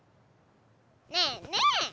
ねえねえ！